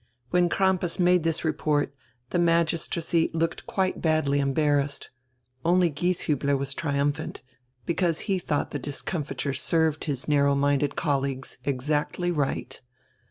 When Crampas made this report the magistracy looked quite badly embarrassed. Only Gieshiibler was triumphant, because he thought the discomfiture served his narrow minded colleagues exactly right.